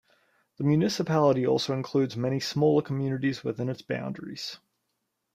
The municipality also includes many smaller communities within its boundaries.